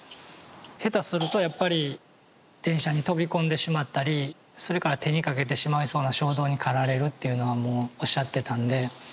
下手するとやっぱり電車に飛び込んでしまったりそれから手にかけてしまいそうな衝動に駆られるっていうのはもうおっしゃってたんで。